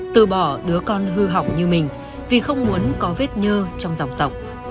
từ bỏ đứa con hư hỏng như mình vì không muốn có vết nhơ trong dòng tộc